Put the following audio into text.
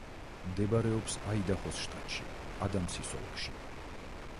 მდებარეობს აიდაჰოს შტატში, ადამსის ოლქში.